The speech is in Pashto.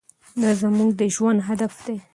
دا زموږ د ژوند هدف دی.